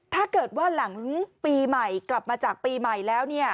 ถ้าเกิดว่าหลังปีใหม่กลับมาจากปีใหม่แล้ว